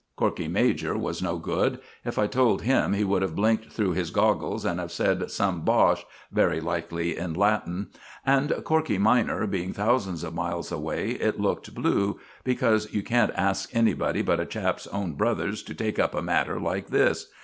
Corkey major was no good. If I'd told him he would have blinked through his goggles and have said some bosh very likely in Latin. And Corkey minor, being thousands of miles away, it looked blue, because you can't ask anybody but a chap's own brothers to take up a matter like this.